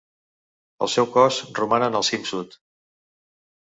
El seu cos roman en el cim sud.